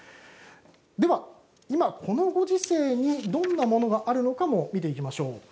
では今、このご時世にどんなものがあるのかも見ていきましょう。